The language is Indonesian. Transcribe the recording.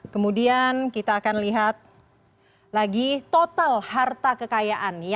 kemudian kita akan lihat lagi total harta kekayaan